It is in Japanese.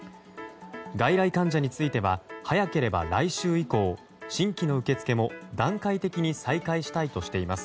外来患者については早ければ来週以降新規の受け付けも段階的に再開したいとしています。